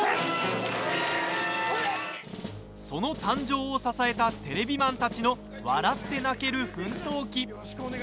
その誕生を支えたテレビマンたちの笑って泣ける奮闘記。